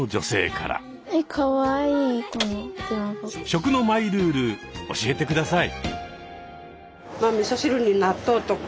「食のマイルール」教えて下さい。